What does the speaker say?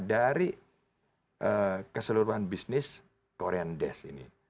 dari keseluruhan bisnis korean desk ini